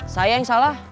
saya yang salah